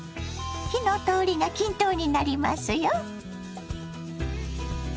火の通りが均等になりますよ。